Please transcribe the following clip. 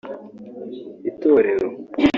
itorero